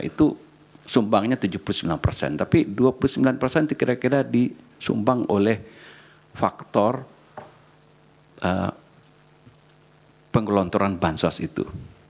itu sumbangnya tujuh puluh sembilan persen tapi dua puluh sembilan persen itu kira kira disumbang oleh faktor penggelontoran bansos itu